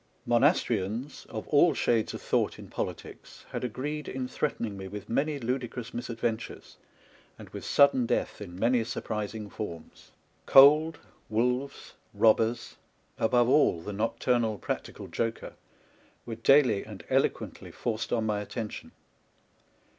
Monastrians, of all shades of thought in politics, had agreed in threatening me with many ludicrous misadv^entures, and with sudden death in many surprising forms. Cold, wolves, robbers, above all the noc turnal practical joker, were daily and elo quently forced on my attention.